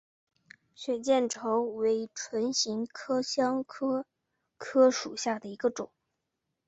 血见愁为唇形科香科科属下的一个种。